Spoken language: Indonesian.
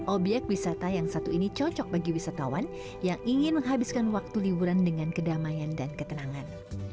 obyek wisata yang satu ini cocok bagi wisatawan yang ingin menghabiskan waktu liburan dengan kedamaian dan ketenangan